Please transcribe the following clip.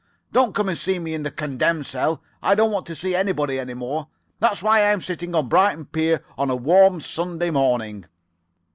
Don't come and see me in the condemned cell. I don't want to see anybody any more. That's why I'm sitting on Brighton pier on a warm Sunday morning.